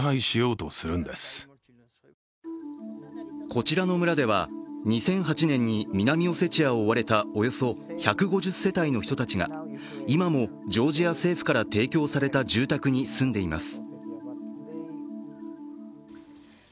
こちらの村では２００８年に南オセチアを追われたおよそ１５０世帯の人たちが今もジョージア政府から提供された住宅に住んでいます。